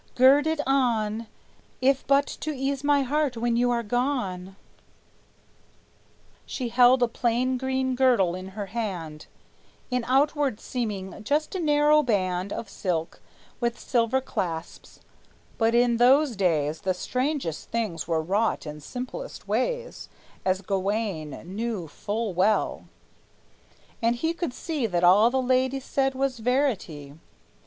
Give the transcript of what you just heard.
Gird it on, If but to ease my heart when you are gone." She held a plain green girdle in her hand, In outward seeming just a narrow band Of silk, with silver clasps; but in those days The strangest things were wrought in simplest ways, As Gawayne knew full well; and he could see That all the lady said was verity.